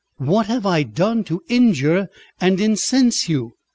"What have I done to injure and incense you?"